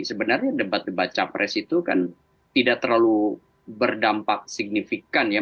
sebenarnya debat debat capres itu kan tidak terlalu berdampak signifikan ya